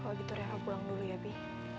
kalau gitu reva pulang dulu ya pi